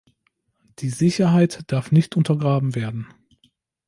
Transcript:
Die Sicherheit darf nicht untergraben werden.